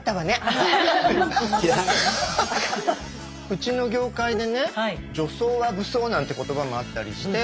うちの業界でねなんて言葉もあったりして。